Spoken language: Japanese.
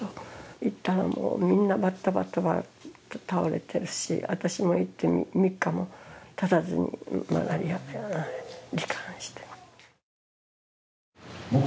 行ったら、もうみんなバッタバタ倒れているし、私も行って３日もたたずにマラリアに罹患して。